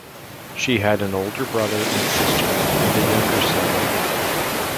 She had an older brother and sister, and a younger sibling.